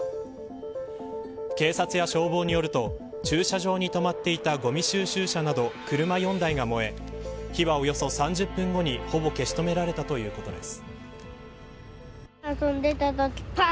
警察や消防によると駐車場に止まっていたごみ収集車など車４台が燃え火はおよそ３０分後にほぼ消し止められたということです。